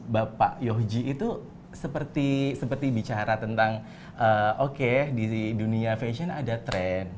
bapak yohji itu seperti bicara tentang oke di dunia fashion ada tren